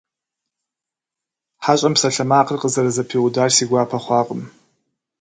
ХьэщӀэм псалъэмакъыр къызэрызэпиудар си гуапэ хъуакъым.